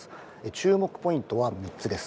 注目ポイントは３つです。